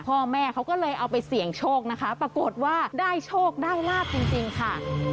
พ่อแม่เขาก็เลยเอาไปเสี่ยงโชคนะคะปรากฏว่าได้โชคได้ลาบจริงค่ะ